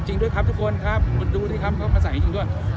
จริงด้วยครับทุกคนครับดูดิครับเขามาสายจริงจริงด้วย